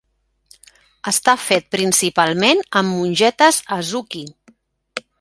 Està fet principalment amb mongetes azuki.